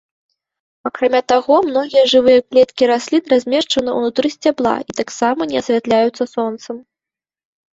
Акрамя таго, многія жывыя клеткі раслін размешчаны ўнутры сцябла і таксама не асвятляюцца сонцам.